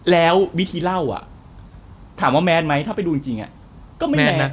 แล้ววิธีเล่าอ่ะถามว่าแมนไหมถ้าไปดูจริงก็ไม่แมนนะ